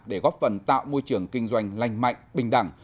để góp phần tạo môi trường kinh doanh lành mạnh bình đẳng